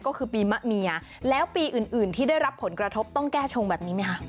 ก็คือปีมะเมียแล้วปีอื่นที่ได้รับผลกระทบต้องแก้ชงแบบนี้ไหมคะ